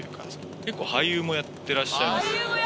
結構、俳優もやってらっしゃいますよね。